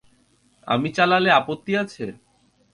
আমি চালালে আপত্তি আছে?